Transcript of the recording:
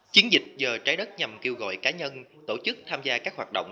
chiến dịch giờ trái đất nhằm kêu gọi cá nhân tổ chức tham gia các hoạt động